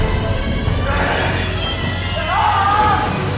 คิดว่าเห้ยตายแล้ว